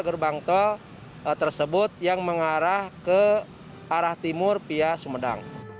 gerbang tol tersebut yang mengarah ke arah timur pia sumedang